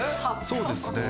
そうですね。